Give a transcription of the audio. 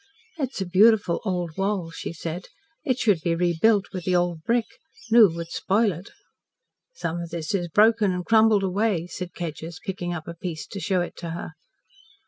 "It's a beautiful old wall," she said. "It should be rebuilt with the old brick. New would spoil it." "Some of this is broken and crumbled away," said Kedgers, picking up a piece to show it to her.